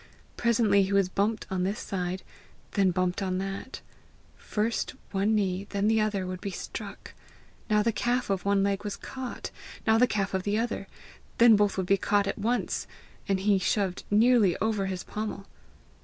Presently he was bumped on this side, then bumped on that; first one knee, then the other, would be struck; now the calf of one leg was caught, now the calf of the other; then both would be caught at once, and he shoved nearly over his pommel.